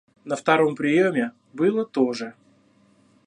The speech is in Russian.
На втором приеме было то же.